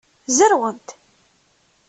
Zerwemt!